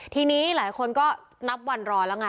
ทีนี้หลายคนก็นับวันรอแล้วไง